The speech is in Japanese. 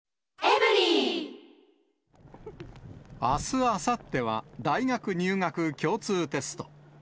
あす、あさっては大学入学共通テスト。